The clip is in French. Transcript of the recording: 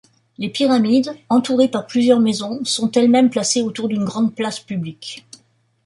Les pyramides, entourées par plusieurs maisons, sont elles-mêmes placées autour d'une grande place publique.